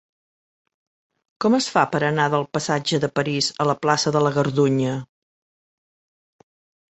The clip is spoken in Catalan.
Com es fa per anar del passatge de París a la plaça de la Gardunya?